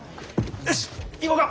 よし行こうか。